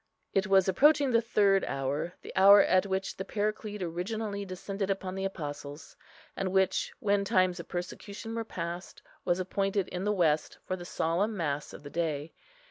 It was approaching the third hour, the hour at which the Paraclete originally descended upon the Apostles, and which, when times of persecution were passed, was appointed in the West for the solemn mass of the day.